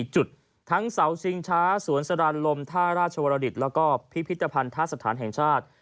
จุดทั้งเสาชิงช้าสวนสรานลมท่าราชวรดิตแล้วก็พิพิธภัณฑสถานแห่งชาติ